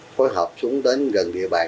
phối hợp xuống đến gần địa bàn